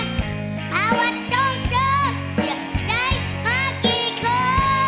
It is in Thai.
ประวัติชมเชื่อเชื่อใจมากกี่ครั้ง